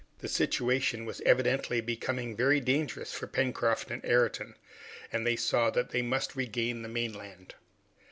The situation was evidently becoming very dangerous for Pencroft and Ayrton, and they saw that they must regain the mainland.